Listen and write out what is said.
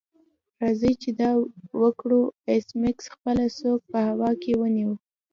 راځئ چې دا وکړو ایس میکس خپله سوک په هوا کې ونیو